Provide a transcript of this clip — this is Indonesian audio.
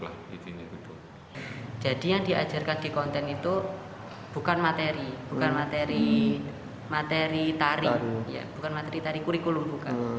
jadi yang diajarkan di konten itu bukan materi bukan materi tari bukan materi tari kurikulum